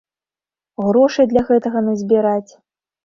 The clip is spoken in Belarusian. Грошай для гэтага назбіраць.